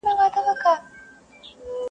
هم ښکاري ؤ هم جنګي ؤ هم غښتلی-